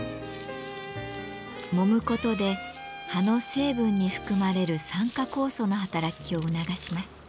もむことで葉の成分に含まれる酸化酵素の働きを促します。